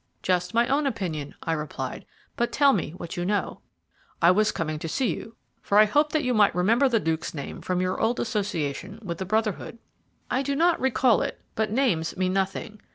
"Just my own opinion," I replied; "but tell me what you know." "I was coming to see you, for I hoped that you might remember the Duke's name from your old association with the Brotherhood." "I do not recall it, but names mean nothing.